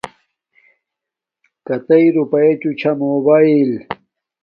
کتݵ دوپایچوچھا موبایݵل